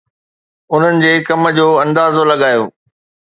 انهن جي ڪم جو اندازو لڳايو